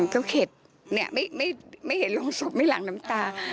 ก็เข็ดไม่เห็นโรงศพไม่หลังน้ำตา